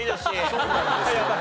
そうなんですよね。